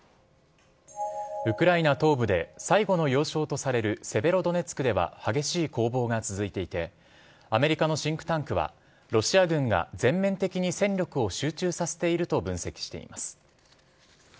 ウクライナ東部で最後の要衝とされるセベロドネツクでは激しい攻防が続いていて、アメリカのシンクタンクは、ロシア軍が全面的に戦力を集中させていると分析しています。